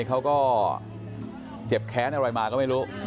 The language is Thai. เขาก็เจ็บแค้นอะไรมาก็ไม่รู้